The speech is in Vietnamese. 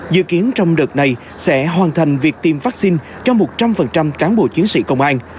dự kiến trong đợt này sẽ hoàn thành việc tiêm vaccine cho một trăm linh cán bộ chiến sĩ công an